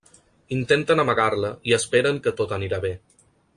Intenten amagar-la i esperen que tot anirà bé.